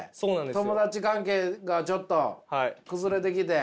友達関係がちょっと崩れてきて。